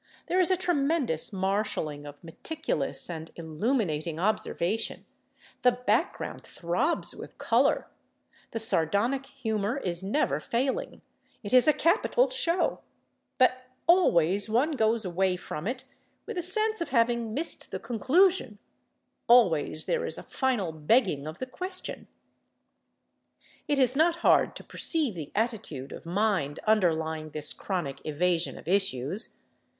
There is a tremendous marshaling of meticulous and illuminating observation, the background throbs with color, the sardonic humor is never failing, it is a capital show—but always one goes away from it with a sense of having missed the conclusion, always there is a final begging of the question. It is not hard to perceive the attitude of mind underlying this chronic evasion of issues.